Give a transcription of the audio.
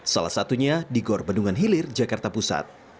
salah satunya di gor bendungan hilir jakarta pusat